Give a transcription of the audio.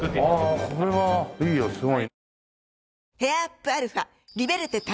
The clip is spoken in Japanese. これはいいよすごい。